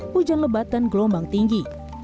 hujan lebat dan gelombang tinggi